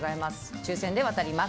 抽選で当たります。